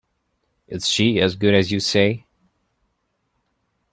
Is she as good as you say?